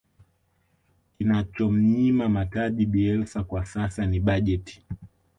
kinachomnyima mataji bielsa kwa sasa ni bajeti